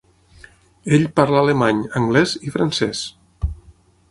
Ell parla alemany, anglès i francès.